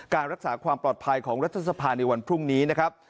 รักษาความปลอดภัยของรัฐสภาในวันพรุ่งนี้นะครับ